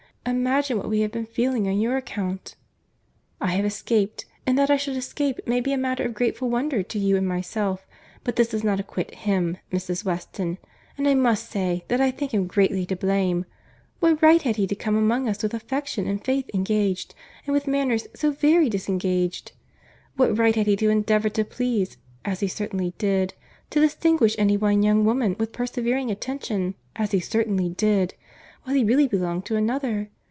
— Imagine what we have been feeling on your account." "I have escaped; and that I should escape, may be a matter of grateful wonder to you and myself. But this does not acquit him, Mrs. Weston; and I must say, that I think him greatly to blame. What right had he to come among us with affection and faith engaged, and with manners so very disengaged? What right had he to endeavour to please, as he certainly did—to distinguish any one young woman with persevering attention, as he certainly did—while he really belonged to another?